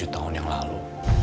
tujuh tahun yang lalu